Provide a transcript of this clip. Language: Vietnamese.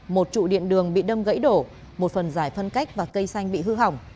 một trụ điện đường bị đâm gãy đổ một phần giải phân cách và cây xanh bị hư hỏng